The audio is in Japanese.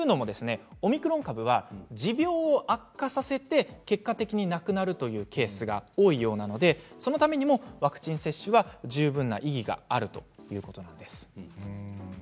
オミクロン株は持病を悪化させて結果的に亡くなるというケースが多いようなので、そのためにもワクチン接種は十分な意義があるということなんです。